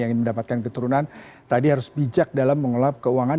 yang mendapatkan keturunan tadi harus bijak dalam mengelola keuangan